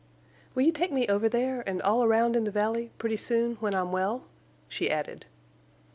"Will you take me over there, and all around in the valley—pretty soon, when I'm well?" she added.